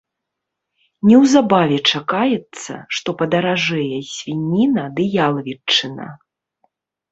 Неўзабаве чакаецца, што падаражэе свініна ды ялавічына.